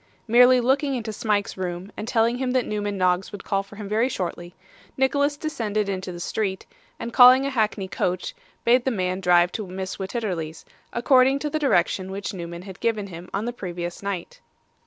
Merely looking into Smike's room, and telling him that Newman Noggs would call for him very shortly, Nicholas descended into the street, and calling a hackney coach, bade the man drive to Mrs. Wititterly's, according to the direction which Newman had given him on the previous night.